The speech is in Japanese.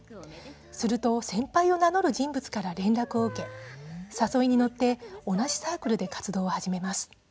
すると先輩を名乗る人物から連絡を受け誘いに乗って同じサークルで活動を始めます。